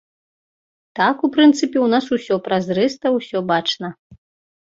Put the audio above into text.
Так, у прынцыпе, у нас усё празрыста, усё бачна.